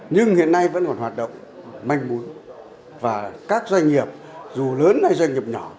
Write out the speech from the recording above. nhưng hiện nay vẫn còn hoạt động manh mún và các doanh nghiệp dù lớn hay doanh nghiệp nhỏ